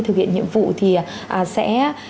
thực hiện nhiệm vụ thì sẽ